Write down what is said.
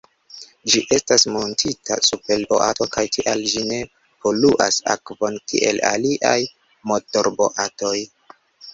Ĝi estas muntita super boato kaj tial ĝi ne poluas akvon kiel aliaj motorboatoj.